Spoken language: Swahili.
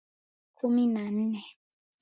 Kumi na nne